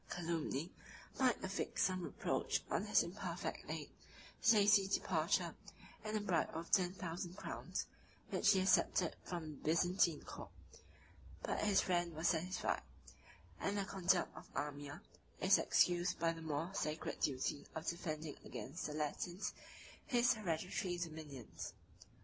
Calumny might affix some reproach on his imperfect aid, his hasty departure, and a bribe of ten thousand crowns, which he accepted from the Byzantine court; but his friend was satisfied; and the conduct of Amir is excused by the more sacred duty of defending against the Latins his hereditary dominions.